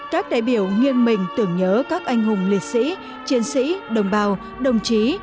các đại biểu nghiêng mình tưởng nhớ các anh hùng liệt sĩ chiến sĩ đồng bào đồng chí